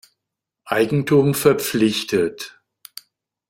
Eigentum verpflichtet.